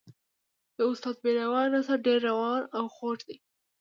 د استاد د بینوا نثر ډېر روان او خوږ دی.